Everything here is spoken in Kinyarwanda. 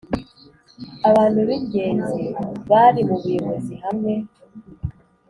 Abantu b ingenzi bari mu buyobozi hamwe